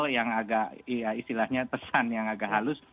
yang agak istilahnya pesan yang agak halus